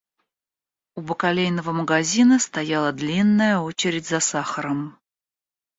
У бакалейного магазина стояла длинная очередь за сахаром.